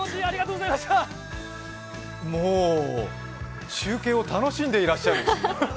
もう中継を楽しんでいらっしゃる。